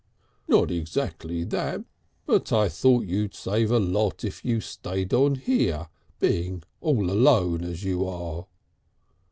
"Not exactly that. But I thought you'd save a lot if you stayed on here being all alone as you are."